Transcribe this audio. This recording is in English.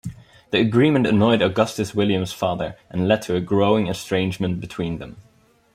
The agreement annoyed Augustus William's father and led to a growing estrangement between them.